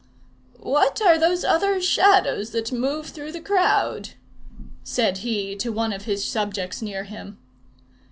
"What are those other Shadows that move through the crowd?" said he to one of his subjects near him.